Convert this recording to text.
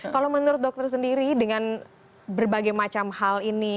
kalau menurut dokter sendiri dengan berbagai macam hal ini